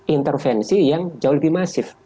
intervensi yang jauh lebih masif